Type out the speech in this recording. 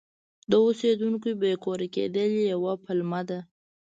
د اوسیدونکو بې کوره کېدل یوه پایله ده.